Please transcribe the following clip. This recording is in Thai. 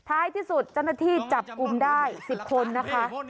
ท้ายที่สุดเจ้าหน้าที่จับกลุ่มได้๑๐คนนะคะ